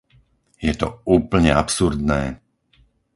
Je to úplne absurdné!